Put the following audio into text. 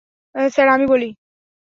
Sir, আমি বলি?